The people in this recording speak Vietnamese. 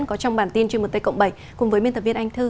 có trong bản tin dream một t cộng bảy cùng với biên tập viên anh thư